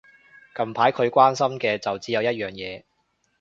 近排佢關心嘅就只有一樣嘢